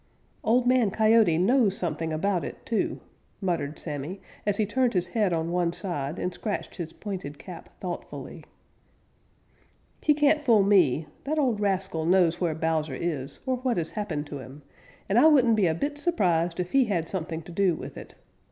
"Old Man Coyote knows something about it, too," muttered Sammy, as he turned his head on one side and scratched his pointed cap thoughtfully. "He can't fool me. That old rascal knows where Bowser is, or what has happened to him, and I wouldn't be a bit surprised if he had something to do with it.